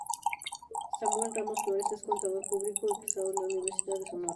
Samuel Ramos Flores es Contador Público egresado de la Universidad de Sonora.